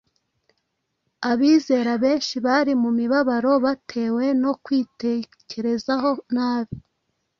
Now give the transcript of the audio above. Abizera benshi bari mu mibabaro batewe no kwitekerezaho nabi –